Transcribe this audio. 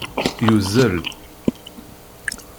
Yuzel